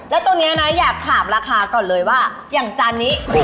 แล้วตรงนี้นะอยากถามราคาก่อนเลยว่าอย่างจานนี้